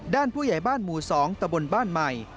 ผู้ใหญ่บ้านหมู่๒ตะบนบ้านใหม่